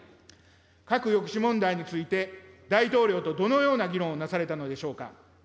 核抑止問題について、大統領とどのような議論をなされたのでしょうか。